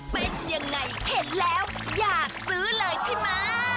เป็นยังไงเห็นแล้วอยากซื้อเลยใช่ไหม